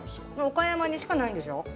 岡山にしかないんでしょう？